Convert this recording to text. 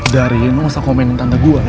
dariin lo masa komenin tante gue ya